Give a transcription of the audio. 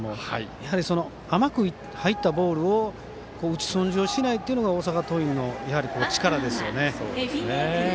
やはり、甘く入ったボールを打ち損じをしないというのが大阪桐蔭の力ですよね。